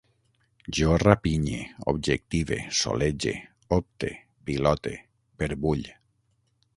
Jo rapinye, objective, solege, opte, pilote, perbull